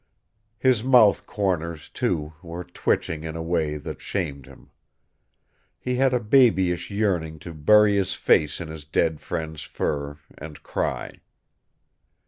His mouth corners, too, were twitching in a way that shamed him. He had a babyish yearning to bury his face in his dead friend's fur, and cry.